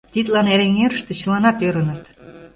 Тидлан Эреҥерыште чыланат ӧрыныт.